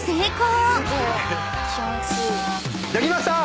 「できました！」